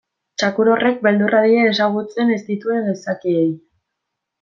Txakur horrek beldurra die ezagutzen ez dituen gizakiei.